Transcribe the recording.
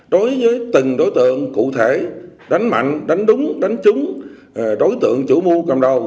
đối với từng đối tượng cụ thể đánh mạnh đánh đúng đánh trúng đối tượng chủ mưu cầm đầu